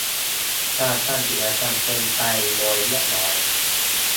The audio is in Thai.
การทำกิจกรรมเป็นไปโดยเรียบร้อย